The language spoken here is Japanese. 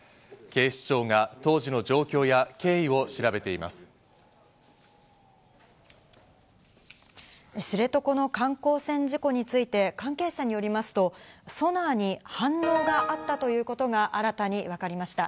警視庁が当時の経緯や状況を詳し知床の観光船事故について関係者によりますと、ソナーに反応があったということが新たに分かりました。